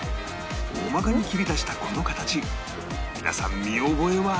大まかに切り出したこの形皆さん見覚えはありませんか？